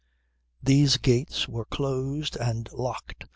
These gates were closed and locked.